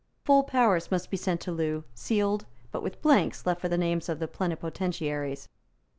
Full powers must be sent to Loo, sealed, but with blanks left for the names of the plenipotentiaries.